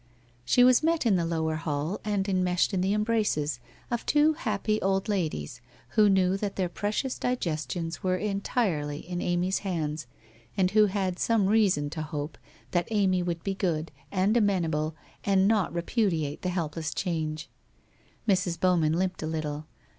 She was met in the lower hall and enmeshed in the embraces of two happy old ladies who knew that their precious digestions were entirely in Amy's hands and who had some reason to hope that Amy would be good, and amenable and not repudiate the helpless change. Mrs. Bowman limped a little.